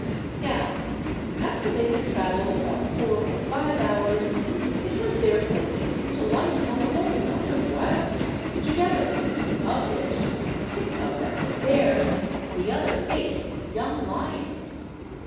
Now, after they had travelled about four or five hours, it was their fortune to light on the whole knot of wild beasts together, of which six of them were bears, the other eight young lions.